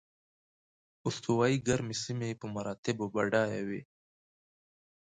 استوایي ګرمې سیمې په مراتبو بډایه وې.